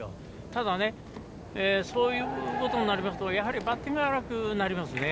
ただ、そういうことになりますとバッティングは荒くなりますね。